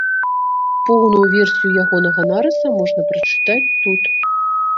Поўную версію ягонага нарыса можна прачытаць тут.